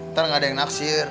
ntar nggak ada yang naksir